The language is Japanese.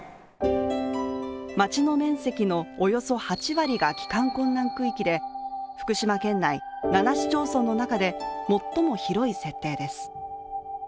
町の面積のおよそ８割が帰還困難区域で、福島県内、７市町村の中で最も広い設定です。